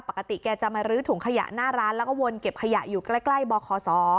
ปกติแกจะมาลื้อถุงขยะหน้าร้านแล้วก็วนเก็บขยะอยู่ใกล้ใกล้บอขอสอ